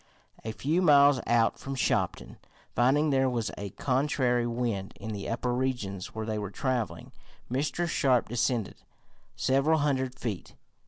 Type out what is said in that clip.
A few miles out from Shopton, finding there was a contrary wind in the upper regions where they were traveling, Mr. Sharp descended several hundred feet.